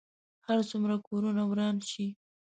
هر څومره کورونه وران شي.